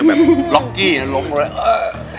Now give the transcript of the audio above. แบบล็อกกี้ลงไปเลย